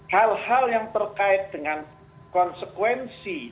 hal hal yang terkait dengan konsekuensi